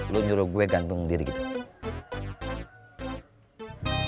lu nyuruh gue gantung diri gitu